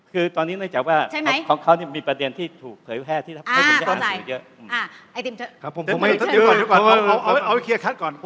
คือตอนนี้เนื่องจากว่าเขานี่มีประเด็นที่ถูกเผยแพร่ที่ให้คนจะอ่านสูงเยอะ